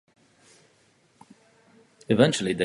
Eventually they do.